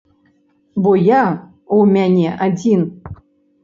Бо я ў мяне адзін.